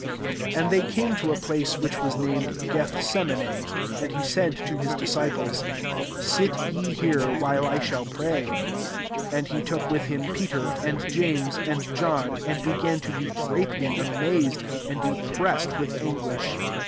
82 Ann they came^to a place which was named Gethseman6; and he and to Ms disciples, •Sit ye here, while I shall pray." 33 And he took with hhn Peterf and James, and John, and began to be gready amazed, and depressed with anguish.